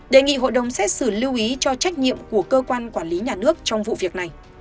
đề nghị hội đồng xét xử lưu ý cho trách nhiệm của cơ quan quản lý nhà nước trong vụ việc này